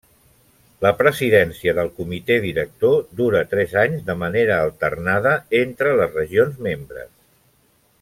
La presidència del comitè director dura tres anys de manera alternada entre les regions membres.